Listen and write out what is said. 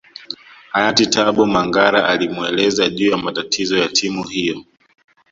Hayati Tabu Mangara alimueleza juu ya matatizo ya timu hiyo